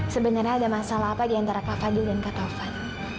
sebenarnya ada masalah apa diantara pak fadil dan kak taufan